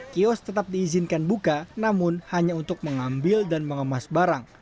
kios tetap diizinkan buka namun hanya untuk mengambil dan mengemas barang